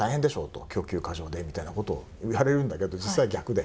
「供給過剰で」みたいなことを言われるんだけど実際逆で。